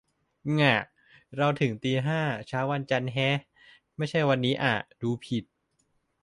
ง่ะ เราถึงตีห้า เช้าวันจันทร์แฮะ ไม่ใช่วันนี้อ่ะ ดูผิด